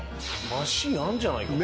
マシンあんじゃないか？